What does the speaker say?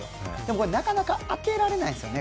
これ、なかなか当てられないんですよね。